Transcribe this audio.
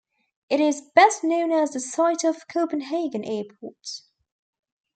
It is best known as the site of Copenhagen Airport.